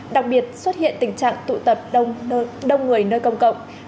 đặc biệt xuất hiện tình trạng tụ tập đông người nơi công cộng